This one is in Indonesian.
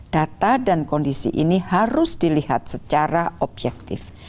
data dan kondisi ini harus dilihat secara objektif